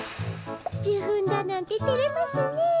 じゅふんだなんててれますねえ。